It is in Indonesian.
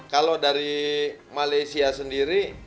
kalau dari malaysia sendiri